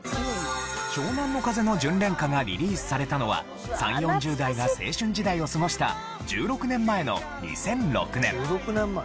湘南乃風の『純恋歌』がリリースされたのは３０４０代が青春時代を過ごした１６年前の２００６年。